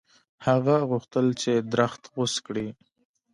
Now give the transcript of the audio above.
هغه غوښتل چې درخت غوڅ کړي.